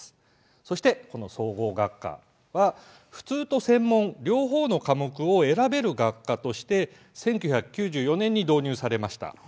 そして総合学科は普通と専門両方の科目を選べる学科として１９９４年に導入されました。